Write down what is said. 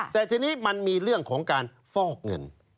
แต่ทีนี้มันมีเรื่องของการฟอกเงิน